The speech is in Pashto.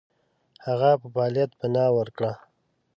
هغه په فعالیت بناء وکړه.